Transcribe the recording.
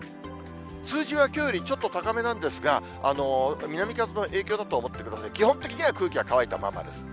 数字はきょうよりちょっと高めなんですが、南風の影響だと思ってください、基本的には空気は乾いたままです。